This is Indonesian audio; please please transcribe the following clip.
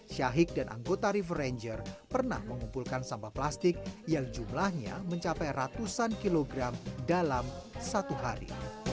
syahik dan anggota river ranger pernah mengumpulkan sampah plastik yang jumlahnya mencapai ratusan kilogram dalam satu hari